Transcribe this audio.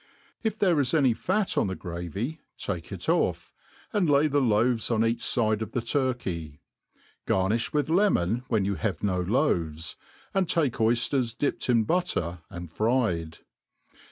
If there is any fat on the gravy take it ofF, and lay the loaves on each fide of the turkey. Garhifh with lemon when you have no loaves, and take oyfter^ dipped in butter and fried.